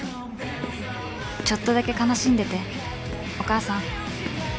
ちょっとだけ悲しんでてお母さん